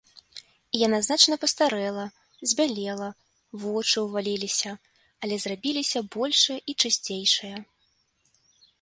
І яна значна пастарэла, збялела, вочы ўваліліся, але зрабіліся большыя і чысцейшыя.